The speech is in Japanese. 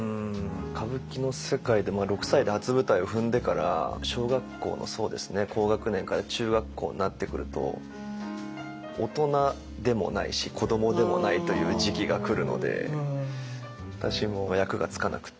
歌舞伎の世界で６歳で初舞台を踏んでから小学校の高学年から中学校になってくると大人でもないし子どもでもないという時期が来るので私も役がつかなくって。